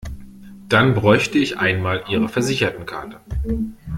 Dann bräuchte ich einmal ihre Versichertenkarte.